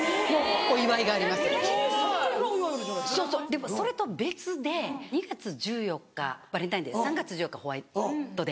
でもそれと別で２月１４日バレンタインデー３月１４日ホワイトデー。